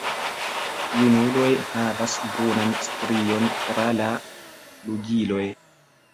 Junuloj havas brunan strion tra la flugiloj.